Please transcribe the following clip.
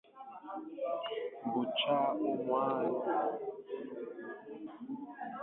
bụcha ụmụnwaanyị